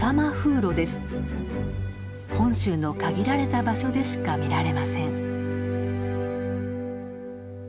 本州の限られた場所でしか見られません。